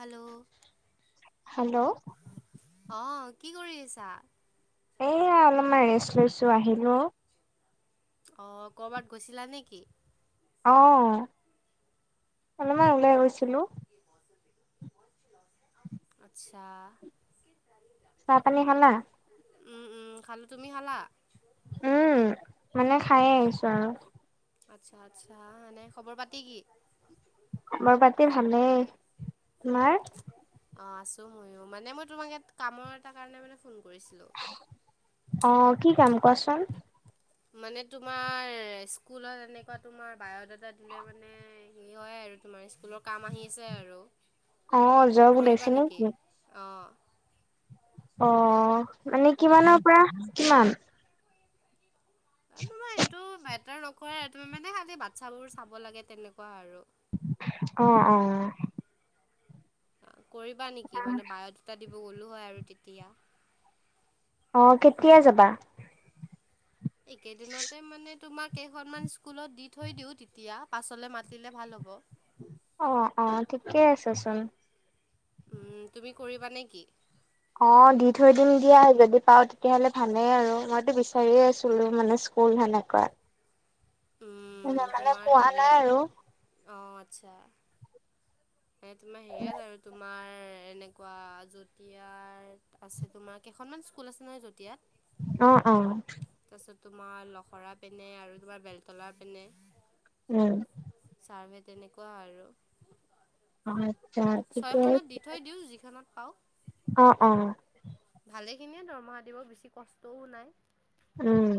Hello, hello অহ, কি কৰি আছা? এয়া অলপমান ৰেষ্ট লৈছো, আহিলো। অ', কৰবাত গৈছিলা নেকি? অহ, অলপমান ওলাই গৈছিলোঁ। আচ্ছা। চাহ পানী খালা? উম, উম, খালোঁ, তুমি খালা? উম, মানে খায়েই আহিছোঁ আৰু। আচ্ছা আচ্ছা, মানে খবৰ পাতি কি? খবৰ পাতি ভালেই। তোমাৰ? [unintelligible] মানে মই তোমাৰ এটা কামৰ এটা কাৰণে মানে ফোন কৰিছিলোঁ অ', কি কাম কোৱাচোন? মানে তোমাৰ স্কুলত এনেকুৱা তোমাৰ বায়'ডাটা দিলে মানে [unintelligible] হয়। আৰু তোমাৰ স্কুলৰ কাম আহি আছে আৰু। অহ, যব ওলাইছে নেকি? অঁ অ', মানে কিমানৰ পৰা কিমান? তোমাৰ এইটো মেতাৰ নকৰে মানে খালি বাচ্ছাবোৰ চাব লাগে তেনেকুৱা আৰু। অ', অ। কৰিবা নেকি? মানে বায়'ডাটা দিব গ'লো হয় আৰু তেতিয়া। অ', কেতিয়া যাবা? এইকেইদিনতে মানে তোমাৰ কেইখনমান স্কুলত দি থৈ দিও তেতিয়া, পাছলে মাতিলে ভাল হ'ব। অ', অ, ঠিকেই আছে চোন। উম, তুমি কৰিবা নেকি? অ', দি থৈ দিম দিয়া, যদি পাওঁ তেতিয়াহলে ভালেই আৰু। মইতো বিচাৰিয়েই আছিলো মানে ফুল সেনেকুৱা। উম, মানে পোৱা নাই আৰু। আচছা। এ, তোমাৰ হেৰি আৰু তোমাৰ এনেকুৱা যতিয়াত আছে তোমাৰ কেইখনমান স্কুল আছে নহয় যতিয়াত। অ', অ'। তোমাৰ লখৰা পিনে আৰু তোমাৰ বেলতলা পিনে। উম। ছাৰ্ভে তেনেকুৱা আৰু। অহ। ছয়খনত দি থৈ দিওঁ, যিখনত পাও। অহ, অ'। ভালেখিনিয়েই দৰমহা দিব, বেছি কষ্টও নাই। উম।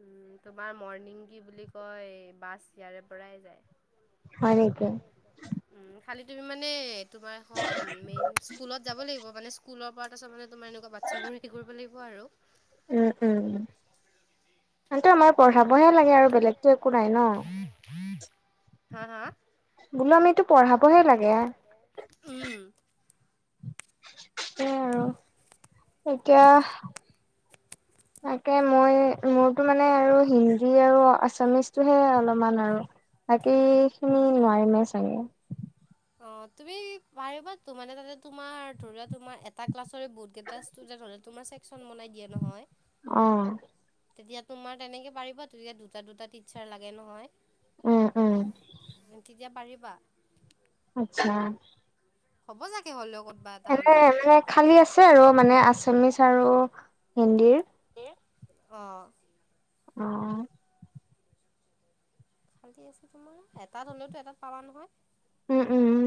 উম, তোমাৰ মৰ্ণিং কি বুলি কয়, বাছ ইয়াৰে পৰাই যায়। হয়, নেকি? উম, খালি তুমি মানে তোমাৰ এখন মেইন স্কুলত যাব লাগিব মানে স্কুলৰ পৰা তাৰপিছত মানে তোমাৰ এনেকুৱা বাচ্ছাবোৰ ৰেডি কৰিব লাগিব আৰু। টো, আমাৰ পঢ়াবহে লাগে আৰু বেলেগতো একো নাই ন। হা, হা? বোলো আমিটো পঢ়াবহে লাগে। উম। সেইয়াই আৰু [inaudible] এতিয়া? [inaudible] তাকে মই মোৰতো মানে আৰু হিন্দী আৰু আছামিজটোহে অলপমান আৰু। সেই খিনি অ', নোৱাৰিমে চাগে। অ, তুমি পাৰিবা টো তাতে তোমাৰ ধৰা তোমাৰ এটা ক্লাছৰে বহুত কেইটা ষ্টুডেন্ট হলে তোমাৰ সেক চন বনাই দিয়ে নহয়। অ তেতিয়া তোমাৰ তেনেকে পাৰিব তেতিয়া দুটা, দুটা টিচাৰ লাগে নহয়। উম, উম। এতিয়া পঢাৰিবা। আচ্ছা। হ'ব চাগে হলেও ক'তবা এটা এনে হ'লেও। মানে খালী আছে আৰু মানে আছামিচ আৰু হিন্দীৰ। আহ। অ'। খালি আছো তোমাৰ এটাত হলেওতো এটাত পাবা নহয়। উম, উম, উম।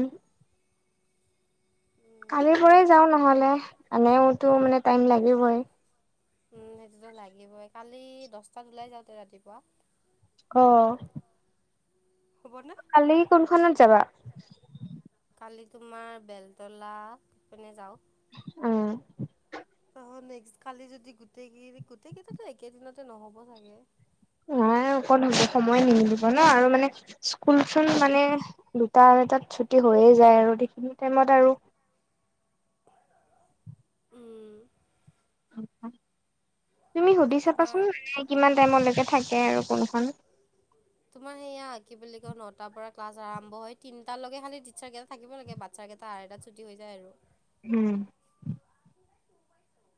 কালিৰ উম, পৰাৰেই যাও নহ'লে আনেওতো মানে টাইম লাগিবই। উম, সেইটোতো লাগিবই কালি দহটাত ওলাই যাওঁতে ৰাতিপুৱা। অ'। হ'ব। কালি কোনখনত যাবা? কালি তোমাৰ বেলতলা পিনে যাওঁ। অ'। অ, নেক্স কালি যদি গোটেই কেই গোটেই কেইটো একেদিনতে নহ'ব চাগে। অ, সময় নিমিব ন, আৰু মানে স্কুল-চুল মানে দুটাতু, আঢ়ৈতাত চুটি হৈয়ে যায় আৰু সেইখিনি টাইমত আৰু [inaudible] উম, তুমি ত' সুধি তোমাৰ চাবাচোন মানে কিমান টাইমলৈকে থাকে আৰু কোনখন তোমৰ সেইয়া কি বুলি কয় নটাাৰ পৰা ক্লাছ আৰম্ভ হয় তিনিটালকে খালি টিচাৰ কেইটা থাকিব লাগে বাচ্ছাকেইটাৰ আঢ়ৈতত এটাত ছুটি হৈ যায় আৰু। উম।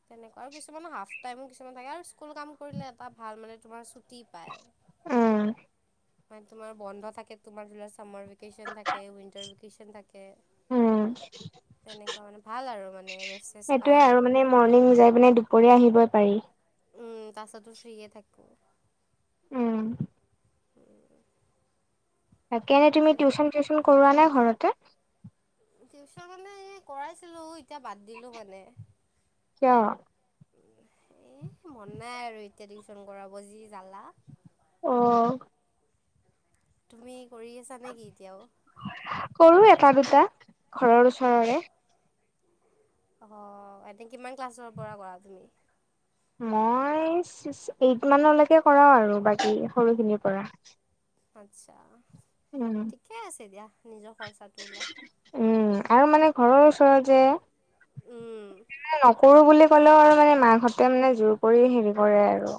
তেনেকুৱা আৰু কিছুমান হাফ টাই কিছুমান থাকে আৰু স্কুল কাম কৰিলে এটা ভাল মানে তোমাৰ চুটি পায় উম, মানে তোমাৰ বন্ধ থাকে তোমাৰ চামাৰ ভি ভিকেচন উইণ্টাৰ ভেকেশন থাকে, উম, তেনেকুৱা মানে ভাল আৰু মানে। ৰেষ্ট চেষ্ট সেইটোয়ে পায় আৰু মানে মৰ্ণিং যাই পিনে দুপৰীয়া আহিবই পাৰি। উম, তাৰছো ফ্ৰিয় থাক। উম। তাকে তুমি তেনেকুৱা টিউচন, টিউচন কৰোৱানে ঘৰতে? টিউচন মানে কৰাইছিলো। এতিয়া বাদ দিলোঁ মানে। কিয়? এ, মন নাই আৰু এতিয়া টিউচন কৰাব যি জালা। অ'। তুমি কৰি আছা নেকি এতিয়াও? এ, দুটা ঘৰৰ ওচৰৰে। আহ, এনে কিমান ক্লাছৰ পৰা কৰা তুমি? মই ছিক্স এইট মানলৈকে কৰাওঁ আৰু বাকী সৰুখিনিৰ পৰা। আচ্ছা উম, ঠিকে আছে দিয়া নিজৰ খৰচাটো ওলাই উম, আৰু মানে ঘৰৰ ওচৰৰত যে নকৰো বুলি কলেও আৰু মানে মাকাহঁতে মানে জোৰ কৰি হেৰি কৰে আৰু।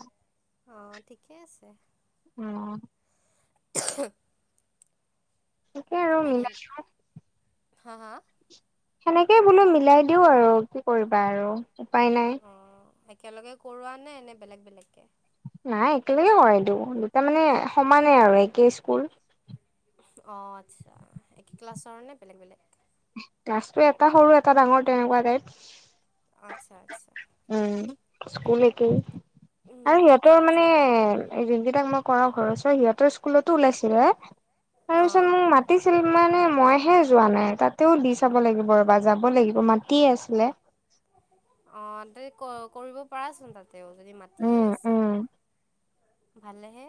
অ, ঠিকেই আছে। উম। [inaudible] থাকেই আৰু বাকী মিলাই দিওঁ। হা, হা? সেনেকেই বোলো মিলাই দিও আৰু কি কৰিবা আৰু উপায় নাই। অঁ একেলগে কৰোৱা নে, নে, বেলেগ, বেলেগকে নাই একেলগে হয়। এইটো দুটা মানে সমানে আৰু একে স্কুল। অ, আচ্ছা একে ক্লাছৰ নে বেলেগ, বেলেগ। গছটো এটা সৰু এটা ডাঙৰ তেনেকুৱা টাইপ। আচ্ছা, আচ্ছা। উম। স্কুল একেই উম আৰু ঠিকে সিহঁতৰ মানে আছে তে যোন কেইটাক মই কৰ ঘৰৰওৰ সিহঁতৰ স্কুলতো ওলাইছিল তাৰপিছত অঁ মোক মাতিছিল মানে মই হে যোৱা নাই তাত। তেও দি চাব লাগিব ৰ'বা যাব লাগিব মাতিয়ে আছিলে। অঁ তে কৰিব পাৰাচোন তাতেও যদি মাতিয়ে উম আছে। উম ভালেহে।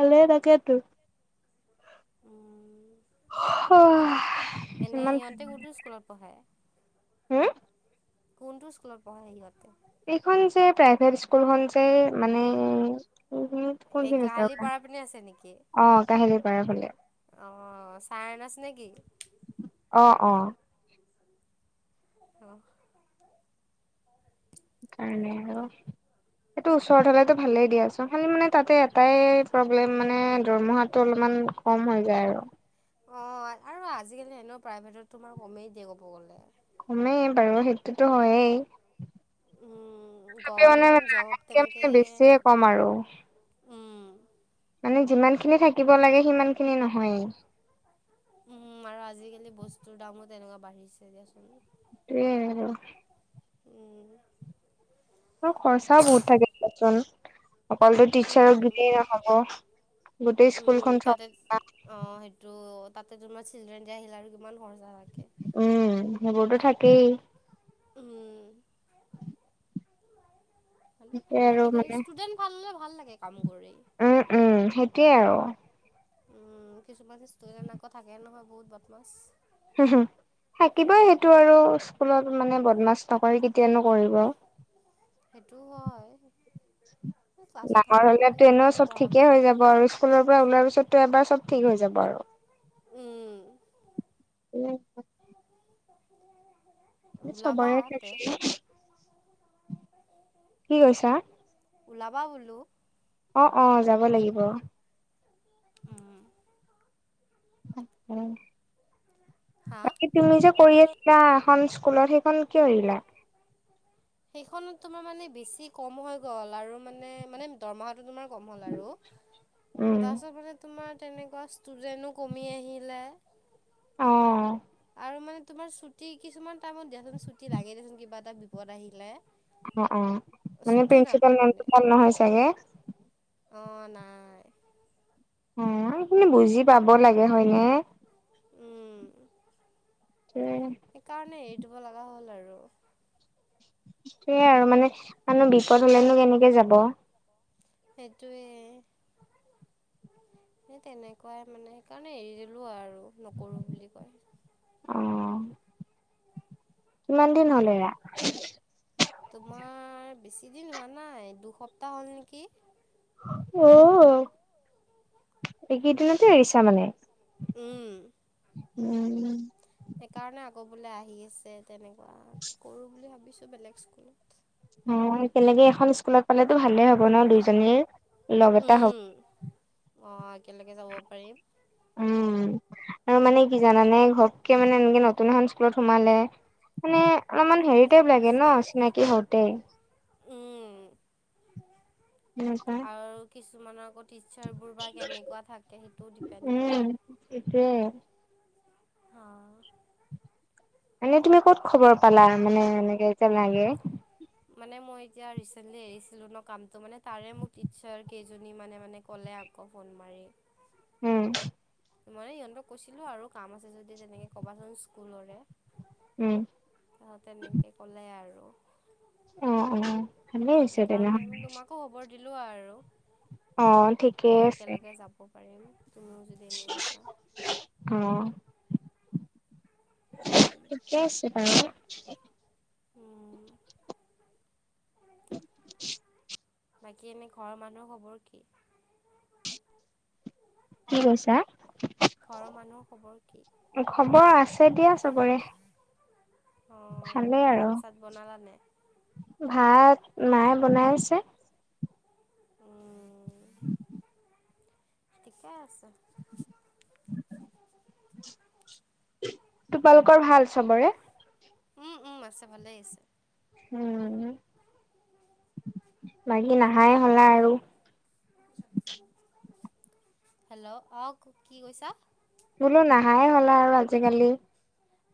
এল এ, তকে ত উম। অ'। এনে সিহঁতে কুতো স্কুলত পঢ়ে। হম? কোনটো স্কুলত পঢ়ে সিহঁতে? এইখন যে প্ৰাইভেট স্কুলখন যে মানে কিন এই কোনখিন আছে কাহালি পাৰা পিনে আছে অ, কাহিলী পাৰা ফালে। অ, চাই নছে নেকি। অ', অ'। আহ। কাৰণে আৰু। সেইটো ওচৰত হলেতো ভালেই দিয়াচোন খি মানে তাতে এটাই প্ৰব্লেম মানে দৰমহাতটো অলপমান কম হৈ যায় আৰু। অ, আৰু আজিকালি হেনেও প্ৰাইভেটত তোমাৰ কমেই দিয়ে ক'ব গ'লে। কমেই বাৰু সেইটোতো হয়েই। তথাপি মানে গভৰ্ণমেণ্ট জব লকে তেনেকৈ মানে বেছিয়ে কম নাপায় আৰু। উম, মানে যিমান খিনি থাকিব লাগে সিমান খিনি নহয়েই। উম, আৰু আজিকালি বস্তুৰ দামো তেনেকুৱা বাঢ়িছে দিয়াচোন। এয় উম, অ, খৰচাও বহুত থাকেয়চোন অকলতো টিচাৰক উম, গজেই নহব। গোটেই উম, স্কুলখন চ তাতে অঁ সেইটো তাতে, তমান চিল্ দিয়া আহিল আৰু কিমান সৰ উম, সেইবোৰতো থাকেই। উম। সেইটোৱে ভাল আৰু লাগে দে, মানে ষ্টুডেন্ট ভালে ভাল লাগে, কাম কৰি। উম উম সেইটোয়ে আৰু উম, কিছুমান ষ্টু আকৌ থাকে নহয় বহুত বত মাছ হম, হম। থাকিবই সেইটো আৰু স্কুলত মানে বদমাছ নকৰি কেতিয়ানো কৰিব। সেইটো হয়। ক্লাছত ডাঙৰ হাল্লা হলে সেই এনেও বুলি চব পঢ়াব ঠিকে হৈ নোৱাৰি যাব আৰু স্কুলৰ পৰা ওলাৰ পিছতো এবাৰ চব ঠিক হৈ যাব। বাৰ। উম, উম। চবৰে খেছে কি কৈছা? ওলাবা বোলো। অ', অ', যাব লাগিব। উ। উ। হা? বাকী তুমি যে কৰি আছিলা এখন স্কুলত সেইখন কি কৰিলা। সেইখনত তোমাৰ মানে বেছি কম হৈ গ'ল আৰু মানে, মানে দৰমাহা হ, আৰু উম। তাৰ তমাৰ তেনেকুৱা ষ্টুডেণ্টো কমি আহিলে। অ', আৰু মানে তোমাৰ ছুট কিছুমান টাইমত দিয়াচোন চুটি লাগে দেচোন কিবা এটা বিপদ আহিলে। অ', অ', মানে ছুটি প্ৰিন্সিপাল নাপায় নমটো মাল নহয় চাগে। অ, নাই। হ, সেইখিনি বুজি পাব লাগে হয় ন। উম। সেইয়ে সেইকাৰণে হেৰি দব লগা হ'ল আৰু। সয়াই আৰু মানে মনো বিপদ হলেনো কেনেকে যাব। সেইটোৱে। সেই তেনেকুৱাই মানে সেইকাৰণে হেৰি দিলো আৰু। নকৰোঁ বুলি অ', কয়। কিমান দিন হলেৰা। তোমাৰ বেছি দিন হোৱা নাই দুসপ্তাহ হ'ল নেকি। অ, এইকেইদিনতে এৰিছা মানে। উম। উম, উম। সেইকাৰণে আগ বলে আহি আছে। তেনেকুৱা কৰো বুলি ভাবিছো বেলেগ স্কুলত। হ, কেনেকে এখন স্কুলত পালেতো ভাল হ' দু, এ, হ। উম অঁ একেলগে যাব পাৰিম। উম। আৰু মানে কি জানানে ঘৰতকে মানে এনেকে নতুন এখন স্কুলত সোমালে। মানে অলপমান হেৰিটপ লাগে ন, চিনাকি হতে উম। এনেকুৱা আৰু কিছুমানৰ আগত টিচাৰবোৰ বা কেনেকুৱা থাকে সেইটোও ডিপেণ্ড কৰে। উম সেইটোয়ে হা এনেই তুমি ক'ত খবৰ পালা মানে এনেকে যে লাগে? মানে মই এতিয়া ৰিচেন্টলি এৰিছিলো ন কামটো মানে তাৰে মোক টিচাৰ কেইজনীমানে মানে ক'লে আ অ ফোন মাৰি। উম। মানে সিহঁতক কৈছিলো আৰু কাম আছে যদি তেনেকে কবাচোন স্কুলৰে। উম অ তেনেকে ক'লে আৰু। অ অ ভালেই হৈছে তেনেহ'লে। দিলো আৰু অ ঠিকেই আছে একেলগে যাব পাৰিম। যদি এনেই আছা [unintelligible] অ। [unintelligible] ঠিকে আছে বাৰু। উম। [unintelligible] বাকী এনেই ঘৰৰ মানুহৰ খবৰ কি? কি কৈছা? ঘৰৰ মানুহৰ কি খবৰ আছে এতিয়া চবৰে। অঁ ভালেই আৰু। ভাত চাত বনালানে ভাত মায়ে বনাই আছে। উম। [unintelligible] ঠিকে আছে। তোমালোকৰ ভাল চবৰে? উম উম আছে ভালেই আছে। উম, বাকী নাহায়ে হ'লা আৰু। হেল্ল' অ কি কৈছা? বোলো নাহায়ে হ'লা আৰু আজিকালি।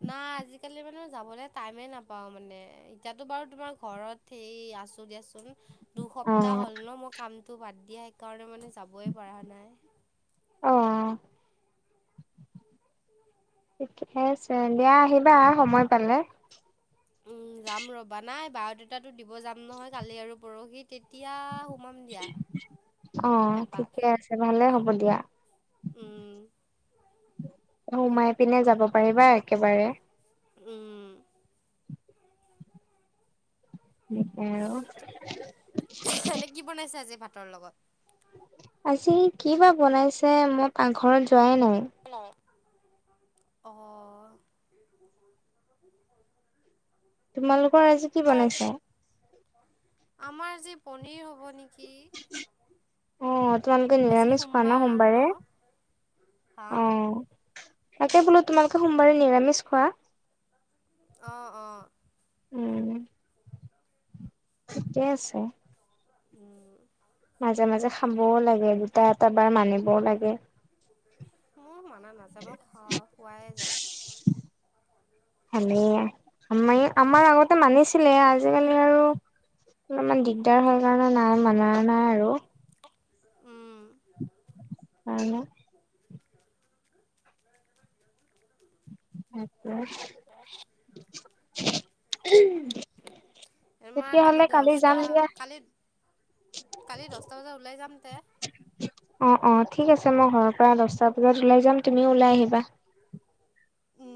নাই আজিকালি মানে যাবলে টাইমে নাপাও মানে এতিয়াতো বাৰু তোমাৰ ঘৰত হেই আছো দিয়াচোন। অ দুসপ্তাহ হ'ল ন মই কামটো বাদ দিয়া সেইকাৰণে মানে যাবয়ে পৰা নাই। অ। ঠিকে আছে, দিয়া আহিবা সময় পালে। উম যাম ৰবা। নাই বায়দাতাটো দিব যাম নহয় কালি আৰু পৰহি। তেতিয়া সোমাম দিয়া অ এপাক ঠিকে আছে ভালে হ'ব দিয়া। উম। সোমাই পিনে যাব পাৰিবা একেবাৰে। উম। এনে কি [unintelligible] [unintelligible] আজি কিবা বনাইছে মই পাকঘৰত যোৱাই নাই। অ। তোমালোকৰ আজি কি বনাইছে? আমাৰ যি পনিৰ হ'ব নি অ তোমালোকে আজি নিৰামিষ খোৱা ন সোমবাৰ সোমবাৰে ন? হা? অ তাকে বোলো তোমালোকে সোমবাৰে নিৰামিষ খোৱা? অ অ। ঠিকেই আছে। উম। মাজে মাজে খাবও লাগে, দুটা এটা বাৰ মানিবও লাগে। মোৰ মানা নাযায় মই খোৱায়েই যায়। আমাই আমাৰ আগতে মানিছিলে আজিকালি আৰু অলপমান দিগদাৰ হয় কাৰণে নাই মানা নাই আৰু। উম অ, ন। আ। আমাৰ তেতিয়াহলে কালি যাম দহটা দিয়া। কালি কালি দহটা বজাত ওলাই যাম তে। অ', অ', ঠিক আছে। মই ঘৰৰ পৰা দহটা বজাত ওলাই যাম তুমিও ওলাই আহিবা। উম।